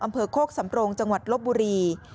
อำเภอโคกสำโปรงจังหวัดลบบุรี